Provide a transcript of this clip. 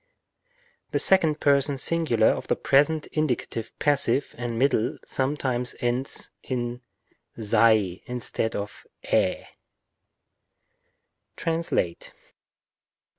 The second person singular of the present indicative passive and middle sometimes ends in σαι instead of ἢ, TRANSLATE 1.